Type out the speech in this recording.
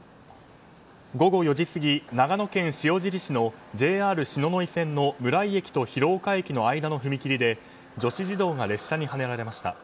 午後４時過ぎ、長野県塩尻市のＪＲ篠ノ井線の村井駅と広丘駅の間の踏切で女子児童が列車にはねられました。